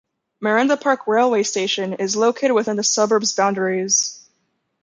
Merinda Park railway station is located within the suburb's boundaries.